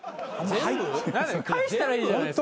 返したらいいじゃない。